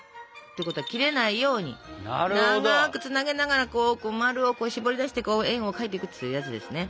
ということは切れないように長くつなげながらこうまるをこうしぼり出して円を描いていくというやつですね。